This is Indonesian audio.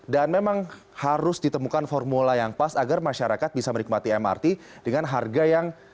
dan memang harus ditemukan formula yang pas agar masyarakat bisa menikmati mrt dengan harga yang